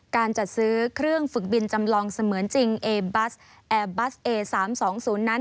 การจัดซื้อเครื่องฝึกบินจำลองเสมือนจริงเอบัสแอร์บัสเอ๓๒๐นั้น